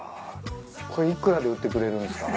これ幾らで売ってくれるんすか？